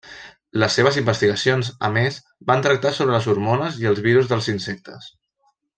Les seves investigacions, a més, van tractar sobre les hormones i els virus dels insectes.